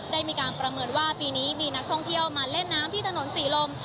ได้มีการประเมินว่าปีนี้มีนักท่องเที่ยวมาเล่นน้ำที่ถนนศรีลม